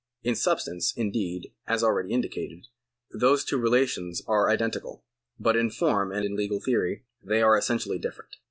In substance, indeed, as already indicated, these two relations are identical, but in form and in legal theory they are essentially different.